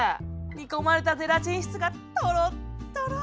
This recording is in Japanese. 煮込まれたゼラチン質がとろっとろ。